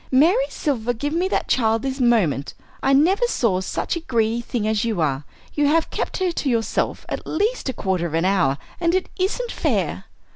Mary Silver, give me that child this moment! I never saw such a greedy thing as you are; you have kept her to yourself at least a quarter of an hour, and it isn't fair."